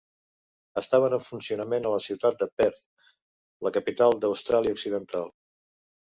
Estaven en funcionament a la ciutat de Perth, la capital d'Austràlia Occidental.